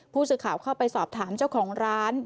ผู้สื่อข่าวเข้าไปสอบถามเจ้าของร้าน